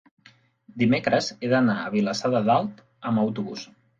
dimecres he d'anar a Vilassar de Dalt amb autobús.